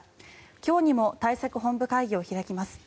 今日にも対策本部会議を開きます。